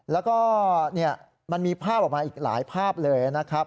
แล้วก็มันมีภาพออกมาอีกหลายภาพเลยนะครับ